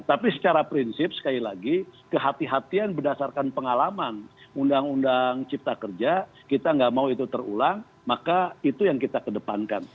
tapi secara prinsip sekali lagi kehatian berdasarkan pengalaman undang undang cipta kerja kita nggak mau itu terulang maka itu yang kita kedepankan